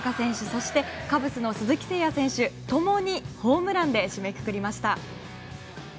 そして、カブスの鈴木誠也選手共にホームランで締めくくりました。